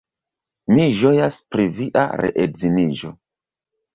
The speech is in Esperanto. Mi ĝojas pri via reedziniĝo.